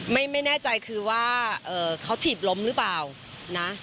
ไม่แน่ใจคือว่าเขาถีบล้มหรือเปล่านะ